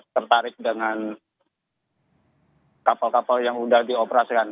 tertarik dengan kapal kapal yang sudah dioperasikan